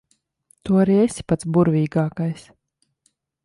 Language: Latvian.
Tu arī esi pats burvīgākais.